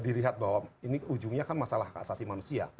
dilihat bahwa ini ujungnya kan masalah hak asasi manusia